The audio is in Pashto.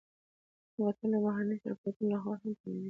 بوتل د بهرنيو شرکتونو لهخوا هم تولیدېږي.